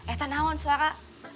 eh tahan suara